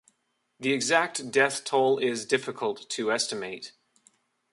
The exact death toll is difficult to estimate.